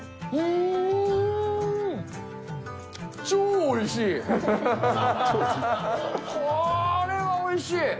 超おいしい！